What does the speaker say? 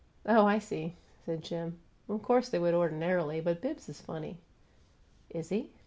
"Oh, I see!" said Jim. "Of course they would ordinarily, but Bibbs is funny." "Is he?